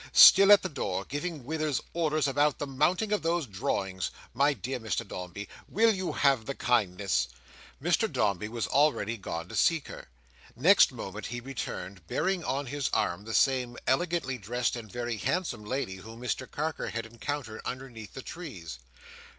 "Still at the door, giving Withers orders about the mounting of those drawings! My dear Mr Dombey, will you have the kindness"— Mr Dombey was already gone to seek her. Next moment he returned, bearing on his arm the same elegantly dressed and very handsome lady whom Mr Carker had encountered underneath the trees.